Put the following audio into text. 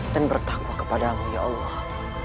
dan bertakwa kepadamu ya allah